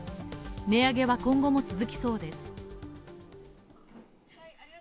値上げは今後も続きそうです。